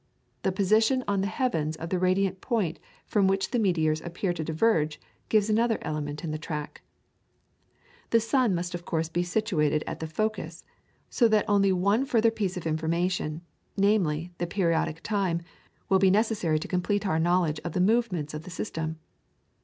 The position on the heavens of the radiant point from which the meteors appear to diverge, gives another element in the track. The sun must of course be situated at the focus, so that only one further piece of information, namely, the periodic time, will be necessary to complete our knowledge of the movements of the system.